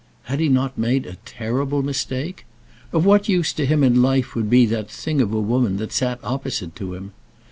Had he not made a terrible mistake? Of what use to him in life would be that thing of a woman that sat opposite to him?